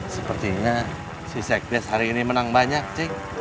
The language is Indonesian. sepertinya si sekdes hari ini menang banyak sih